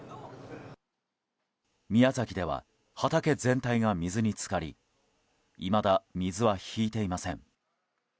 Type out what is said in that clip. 宮崎では畑全体が水に浸かりいまだ水は引いていません。